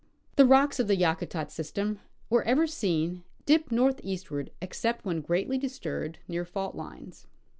The rocks of the Yakutat system, wherever seen, dip north eastward, except when greatly disturbed near fault lines.